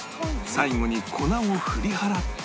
最後に粉を振り払って